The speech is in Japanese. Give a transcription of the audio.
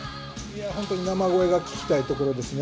本当に生声が聴きたいところですね。